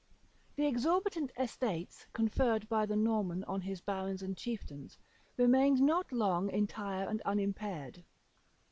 The exorbitant estates conferred by the Norman on his barons and chieftains, remained not long entire and unimpaired.